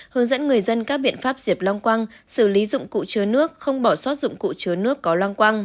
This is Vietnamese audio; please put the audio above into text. hướng dẫn người dân các biện pháp diệp long quang xử lý dụng cụ chứa nước không bỏ sót dụng cụ chứa nước có long quang